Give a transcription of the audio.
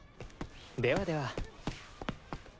ではでは。